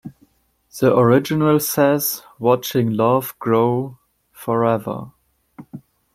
The original says "Watching love grow forever".